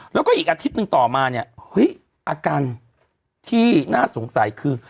แล้วก็อีกอาทิตย์หนึ่งต่อมาเนี่ยเฮ้ยอาการที่น่าสงสัยคือ